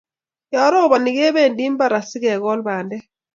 Ye ropon kebendi imbar asigekol pandek.